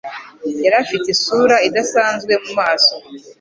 Yari afite isura idasanzwe mu maso.